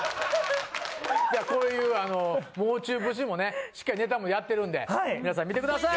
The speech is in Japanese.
こういうあのもう中節もねしっかりネタもやってるんで皆さん見てください！